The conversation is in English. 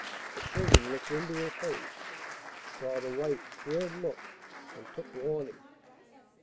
The children looked into her face, saw the white, scared look, and took warning.